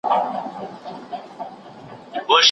په دې غونډه کي د ټولو خلکو نظرونه اورېدل کېږي.